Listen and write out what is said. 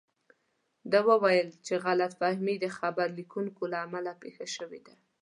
ده وویل چې غلط فهمي د خبر لیکونکو له امله پېښه شوې ده.